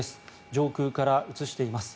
上空から映しています。